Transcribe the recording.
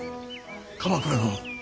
鎌倉殿。